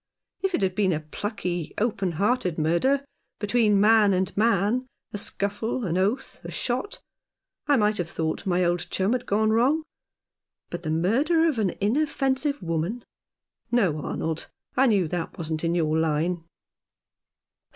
If it had been a plucky, open hearted murder, between man and man — a scuffle, an oath, a shot — I might have thought my old chum had gone wrong ; but the murder of an inoffensive woman ? No, Arnold, I knew that wasn't in your line."